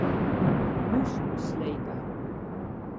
Mûs slepe.